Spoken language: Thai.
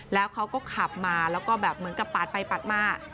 แล้วก็เขาขับมาแล้วก็เหมือนกับปาดไปมา